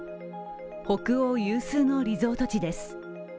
北欧有数のリゾート地です。